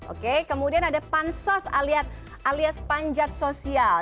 oke kemudian ada pansos alias panjat sosial